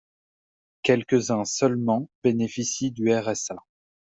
Quelques-uns seulement bénéficient du RSA.